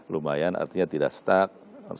lumayan artinya tidak stuck